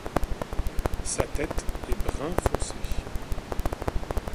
Sa tête est brun foncé.